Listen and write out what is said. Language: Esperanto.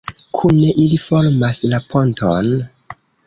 Kune ili formas la ponton.